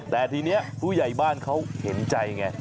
แต่ทีนี้ผู้ใหญ่บ้านเขาเห็นใจไง